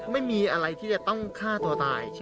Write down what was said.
ไม่มีอะไรที่จะต้องฆ่าตัวตาย